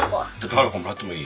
宝箱もらってもいい？